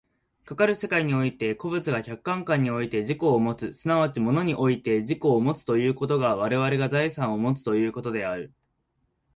かかる世界において個物が客観界において自己をもつ、即ち物において自己をもつということが我々が財産をもつということである。